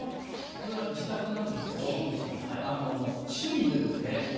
これは自宅なんですけど趣味でですね